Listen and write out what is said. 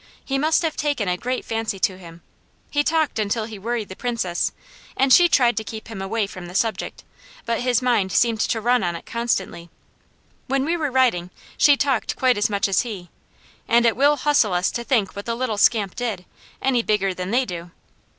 He must have taken a great fancy to him. He talked until he worried the Princess, and she tried to keep him away from the subject, but his mind seemed to run on it constantly. When we were riding she talked quite as much as he, and it will hustle us to think what the little scamp did, any bigger than they do.